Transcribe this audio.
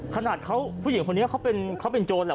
ขนาดเขาผู้หญิงคนนี้เขาเป็นโจรแหละ